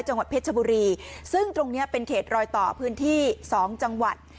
จังหวัดเพชรชบุรีซึ่งตรงเนี้ยเป็นเขตรอยต่อพื้นที่สองจังหวัด